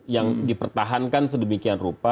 yang dipertahankan sedemikian rupa